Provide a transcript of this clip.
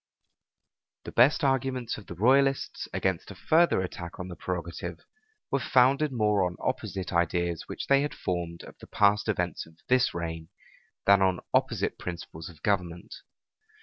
The best arguments of the royalists against a further attack on the prerogative, were founded more on opposite ideas which they had formed of the past events of this reign, than on opposite principles of government.